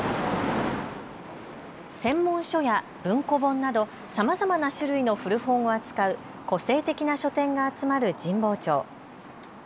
専門書や文庫本などさまざまな種類の古本を扱う個性的な書店が集まる神保町。